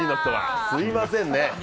すみません。